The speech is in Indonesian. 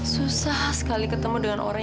susah sekali ketemu dengan orang